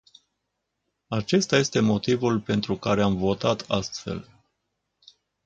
Acesta este motivul pentru care am votat astfel.